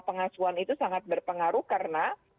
pengasuhan itu sangat berpengaruh karena